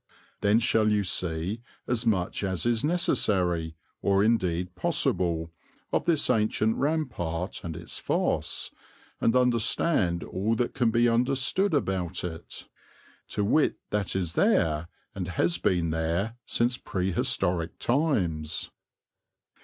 Then shall you see as much as is necessary, or indeed possible, of this ancient rampart and its fosse, and understand all that can be understood about it, to wit that is there, and has been there since prehistoric times.